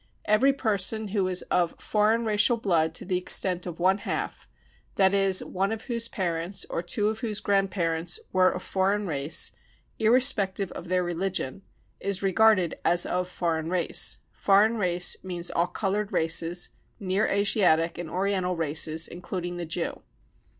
Every person who is of foreign racial blood to the extent of one half— that is, one of whose parents or two of whose grand parents were of foreign race, irrespective of their religion — is regarded as of foreign race. Foreign race means all coloured races, near Asiatic and oriental races including the Jew.